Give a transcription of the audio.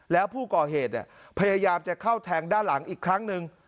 แล้วผู้ก่อเหตุพยายามจะเข้าแทงด้านหลังอีกครั้งหนึ่ง